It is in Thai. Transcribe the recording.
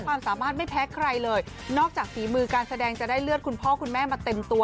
ความสามารถไม่แพ้ใครเลยนอกจากฝีมือการแสดงจะได้เลือดคุณพ่อคุณแม่มาเต็มตัว